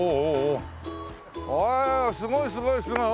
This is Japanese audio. おおすごいすごいすごい。